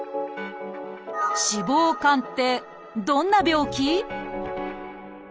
脂肪肝ってどんな病気？